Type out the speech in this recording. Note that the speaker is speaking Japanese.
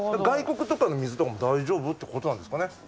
外国とかの水も大丈夫ってことなんですかね。